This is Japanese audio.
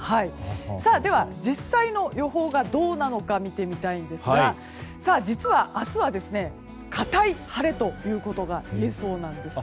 では実際の予報がどうなのか見てみたいんですが実は、明日は堅い晴れということがいえそうなんです。